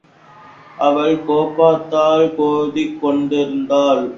அவள் கோபத்தால் கொதித்துக் கொண்டிருந்தாள்.